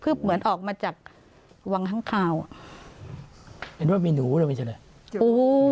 พลือบเหมือนออกมาจากวังทั้งข้าวเป็นว่ามีหนูหรือไม่ใช่เลยโอ้โห